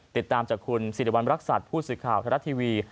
ติดตามจากคุณสิริวัณรักษัตริย์ผู้สื่อข่าวไทยรัฐทีวี